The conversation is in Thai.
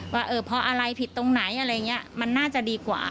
ว่าเออพออะไรผิดตรงไหนอะไรเงี้ยมันน่าจะดีกว่า